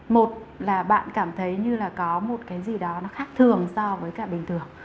một là bạn cảm thấy như là có một cái gì đó nó khác thường so với cả bình thường